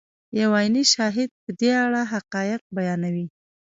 یو عیني شاهد په دې اړه حقایق بیانوي.